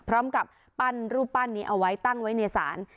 พร้อมกับปั้นรูปปั้นนี้เอาไว้ตั้งไว้ในศาล